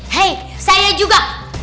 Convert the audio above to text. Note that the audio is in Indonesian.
hei saya juga